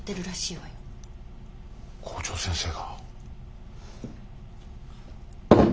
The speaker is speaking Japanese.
校長先生が。